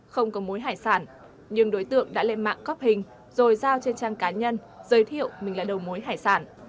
không có mối hải sản nhưng đối tượng đã lên mạng góp hình rồi giao trên trang cá nhân giới thiệu mình là đầu mối hải sản